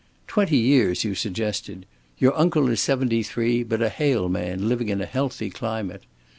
Twenty years you suggested. Your uncle is seventy three, but a hale man, living in a healthy climate.